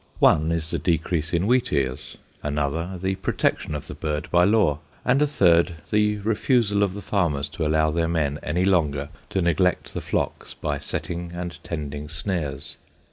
One is the decrease in wheatears, another the protection of the bird by law, and a third the refusal of the farmers to allow their men any longer to neglect the flocks by setting and tending snares.